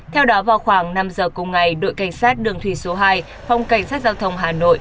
theo đó vào khoảng năm giờ cùng ngày đội cảnh sát đường thủy số hai phòng cảnh sát giao thông hà nội